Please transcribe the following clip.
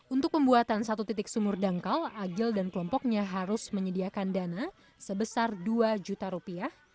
untuk pembuatan satu titik sumur dangkal agil dan kelompoknya harus menyediakan dana sebesar dua juta rupiah